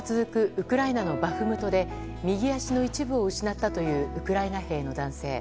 ウクライナのバフムトで右足の一部を失ったというウクライナ兵の男性。